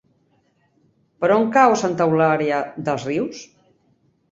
Per on cau Santa Eulària des Riu?